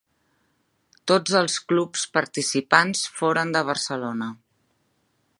Tots els clubs participants foren de Barcelona.